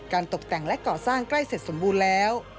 ตกแต่งและก่อสร้างใกล้เสร็จสมบูรณ์แล้ว